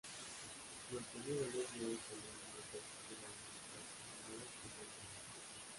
Los caníbales luego comienzan a perseguir a las chicas, armados con el taladro.